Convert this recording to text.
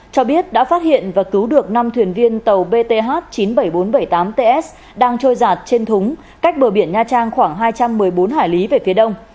cho biết đã phát hiện và cứu được năm thuyền viên tàu bth chín mươi bảy nghìn bốn trăm bảy mươi tám ts đang trôi giạt trên thúng cách bờ biển nha trang khoảng hai trăm một mươi bốn hải lý về phía đông